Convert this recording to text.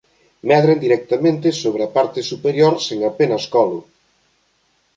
Medran directamente sobre a parte superior sen apenas colo.